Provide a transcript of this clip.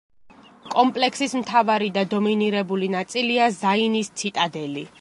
კომპლექსის მთავარი და დომინირებული ნაწილია ზაინის ციტადელი.